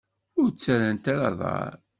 Ur ttarrant ara aḍar?